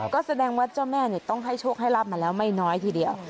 ก็แสดงว่าเจ้าแม่ต้องให้โชคให้รับมาแล้วไม่น้อยทีเดียว